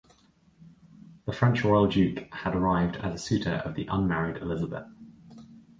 The French royal duke had arrived as a suitor of the un-married Elizabeth.